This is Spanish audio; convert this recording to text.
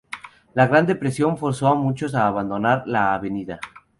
La Gran Depresión forzó a muchos a abandonar la avenida.